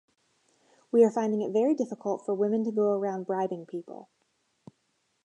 We are finding it very difficult for women to go around bribing people.